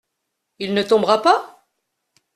Il ne tombera pas ?